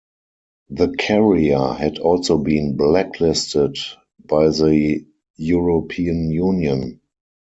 The carrier had also been blacklisted by the European Union.